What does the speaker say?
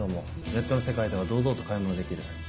ネットの世界では堂々と買い物できる。